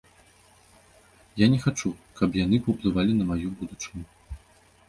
Я не хачу, каб яны паўплывалі на маю будучыню.